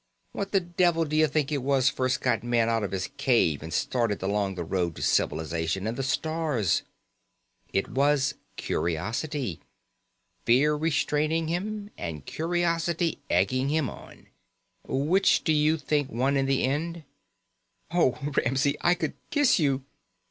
What the devil d'you think it was first got man out of his cave and started along the road to civilization and the stars? It was curiosity. Fear restraining him, and curiosity egging him on. Which do you think won in the end?" "Oh, Ramsey, I could kiss you!"